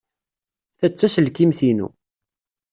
Ta d taselkimt-inu.